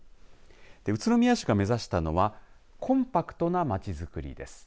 宇都宮市が目指したのはコンパクトなまちづくりです。